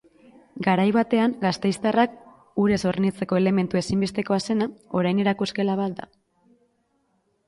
Garai batean gasteiztarrak urez hornitzeko elementu ezinbestekoa zena, orain erakusgela bat da.